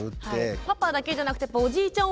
パパだけじゃなくておじいちゃん